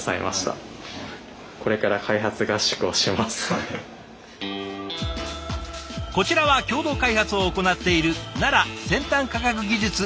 こちらは共同開発を行っている奈良先端科学技術大学院大学の皆さん。